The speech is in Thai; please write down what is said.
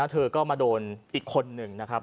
เธอก็มาโดนอีกคนหนึ่งนะครับ